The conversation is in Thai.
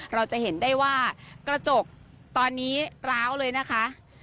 เราจะเห็นได้ว่ากระจกตอนนี้ร้าวเลยนะคะ